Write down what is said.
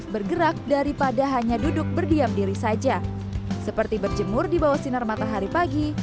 bergerak daripada hanya duduk berdiam diri saja seperti berjemur di bawah sinar matahari pagi